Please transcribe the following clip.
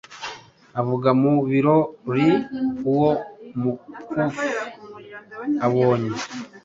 Avuga mu birori uwo umukufi abonye